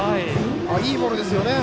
いいボールですよね。